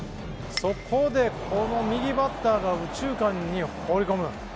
そこでこの右バッターが右中間に放り込む。